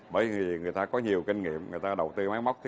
bởi vì người ta có nhiều kinh nghiệm người ta đầu tư máy móc